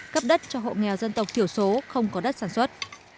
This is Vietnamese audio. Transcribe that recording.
cấp đất cho hộ nghèo dân tộc thiểu số không có đất sản xuất